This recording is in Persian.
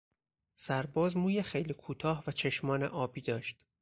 سرباز موی خیلی کوتاه و چشمان آبی داشت.